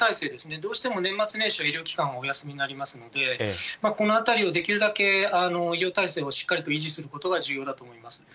どうしても年末年始は医療機関お休みになりますので、このあたりをできるだけ医療体制をしっかりと維持することが重要だと思います。